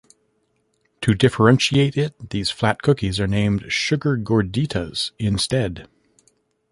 To differentiate it, these flat cookies are named "sugar gorditas" instead.